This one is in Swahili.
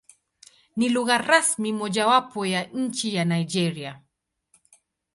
Ni lugha rasmi mojawapo ya nchi ya Nigeria.